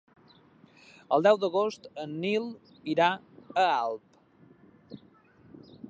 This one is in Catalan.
El deu d'agost en Nil irà a Alp.